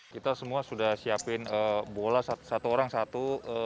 kita semua sudah siapin bola satu orang satu